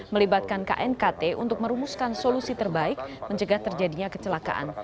melibatkan knkt untuk merumuskan solusi terbaik mencegah terjadinya kecelakaan